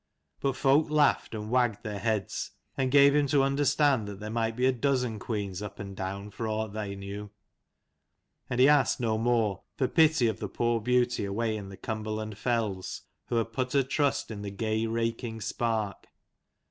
But folk laughed and wagged their heads, and gave him to understand that there might be a dozen queens up and down for aught they knew : and he asked no more, for pity of the poor beauty away in the Cumber land fells, who had put her trust in the gay raking spark.